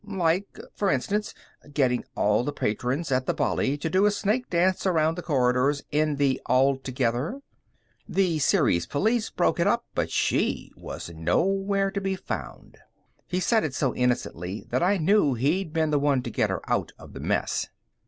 "Like, for instance, getting all the patrons at the Bali to do a snake dance around the corridors in the altogether. The Ceres police broke it up, but she was nowhere to be found." He said it so innocently that I knew he'd been the one to get her out of the mess.